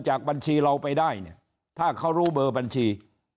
จากบัญชีเราไปได้เนี่ยถ้าเขารู้เบอร์บัญชี